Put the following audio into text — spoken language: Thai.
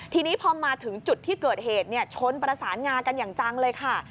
ทีนี้พอมาถึงจุดที่เกิดเหตุชนประสานงากันอย่างจังเลยค่ะ